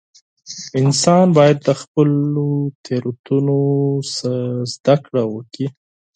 • انسان باید د خپلو تېروتنو نه زده کړه وکړي.